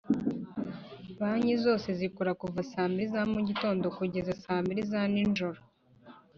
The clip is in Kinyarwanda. banki zose zikora kuva sambili za mugitondo kugeza sambili za ni njoro